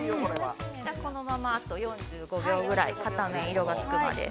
◆このままあと４５秒ぐらい片面色がつくまで。